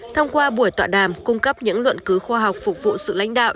thông qua buổi tọa đàm cung cấp những luận cứu khoa học phục vụ sự lãnh đạo